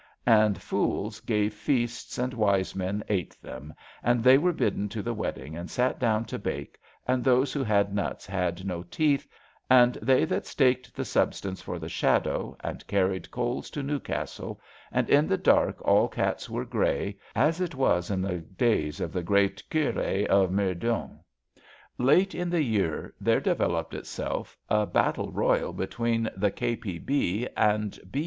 And fools gave feasts SUPPLEMENTAEY CHAPTER 155 and wise men ate them, and they were bidden to the wedding and sat down to bake, and those who had nuts had no teeth and they staked the sub stance for the shadow, and carried coals to New castle, and in the dark all cats were grey, as it was in the days of the great Cure of Meudon. Late in the year there developed itself a battle royal between the K.P,B, and B.